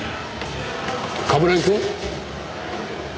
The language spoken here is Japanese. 冠城くん？